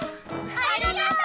ありがとう！